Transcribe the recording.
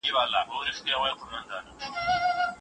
هغه خپل عزت له لاسه ورنه کړ.